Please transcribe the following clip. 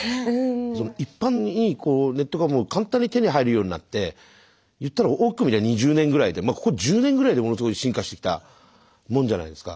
一般にネットが簡単に手に入るようになって言ったら大きく見りゃ２０年ぐらいでここ１０年ぐらいでものすごい進化してきたもんじゃないですか。